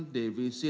devisi yang tersebut